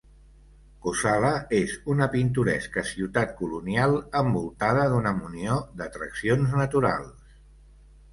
Cosala és una pintoresca ciutat colonial envoltada d'una munió d'atraccions naturals.